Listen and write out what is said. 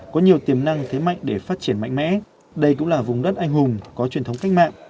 có nhiều tiềm năng thế mạnh để phát triển mạnh mẽ đây cũng là vùng đất anh hùng có truyền thống cách mạng